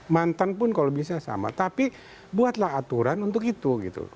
mantan pun kalau bisa sama tapi buatlah aturan untuk itu gitu